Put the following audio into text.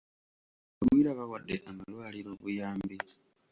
Abagwira bawadde amalwaliro obuyambi.